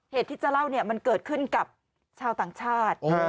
เหตุที่จะเล่าเนี่ยมันเกิดขึ้นกับชาวต่างชาติ